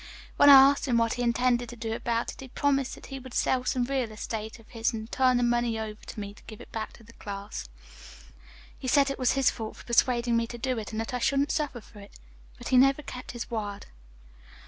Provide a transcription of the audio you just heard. When I asked him what he intended to do about it he promised that he would sell some real estate of his and turn the money over to me to give back to the class. He said it was his fault for persuading me to do it, and that I shouldn't suffer for it. But he never kept his word.